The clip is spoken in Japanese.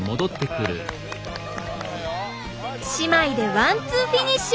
姉妹でワンツーフィニッシュ！